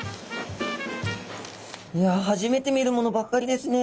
いや初めて見るものばかりですね。